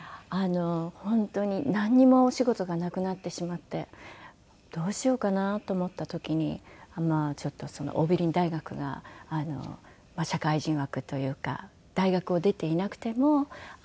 本当になんにもお仕事がなくなってしまってどうしようかなと思った時にまあちょっと桜美林大学が社会人枠というか大学を出ていなくても。